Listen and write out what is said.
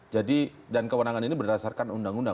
jadi dan kewenangan ini berdasarkan undang undang